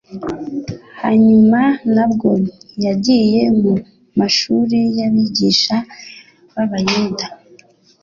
Hanyuma nabwo ntiyagiye mu mashuri y'abigisha b'Abayuda,